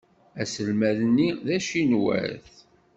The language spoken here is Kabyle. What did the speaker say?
Aselmad-nni d acinwat.